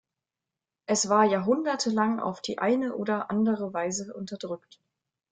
Es war jahrhundertelang auf die eine oder andere Weise unterdrückt.